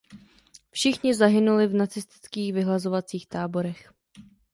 Všichni zahynuli v nacistických vyhlazovacích táborech.